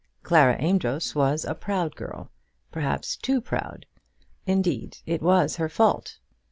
Clara Amedroz was a proud girl, perhaps too proud. Indeed, it was her fault.